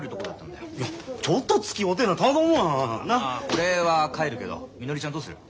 俺は帰るけどみのりちゃんどうする？